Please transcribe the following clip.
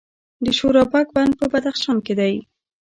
د شورابک بند په بدخشان کې دی